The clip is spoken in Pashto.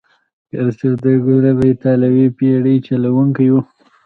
کرستف کولمب ایتالوي بیړۍ چلوونکی وو.